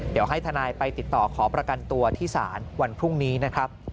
เดี๋ยวให้ทนายไปติดต่อขอประกันตัวที่ศาลวันพรุ่งนี้นะครับ